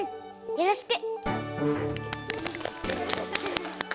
よろしく！